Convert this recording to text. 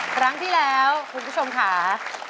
ครั้งที่แล้วคุณผู้ชมค่ะ